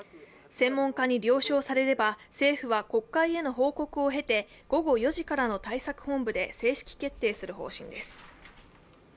専門家に了承されれば政府は国会への報告を経て午後４時からの対策本部で正式決定する方針です。